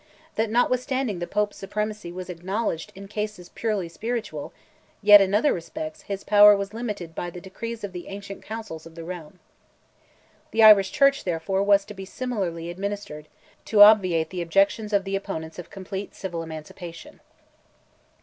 That notwithstanding the Pope's supremacy was acknowledged in cases purely spiritual, yet, in other respects, his power was limited by the decrees of the ancient councils of the realm." The Irish Church, therefore, was to be similarly administered, to obviate the objections of the opponents of complete civil emancipation.